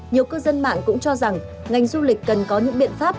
nhiều cư dân mạng cũng cho rằng ngành du lịch cần có những biện pháp